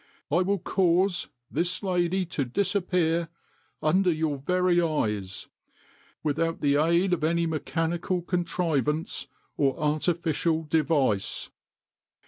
I will cause this lady to disappear under your very eyes, without the aid of any mechanical contrivance or artificial device."